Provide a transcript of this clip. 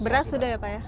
beras sudah ya pak ya